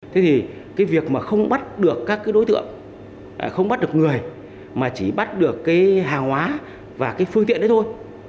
thế thì cái việc mà không bắt được các cái đối tượng không bắt được người mà chỉ bắt được cái hàng hóa và cái phương tiện đấy thôi